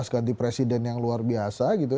dua ribu sembilan belas ganti presiden yang luar biasa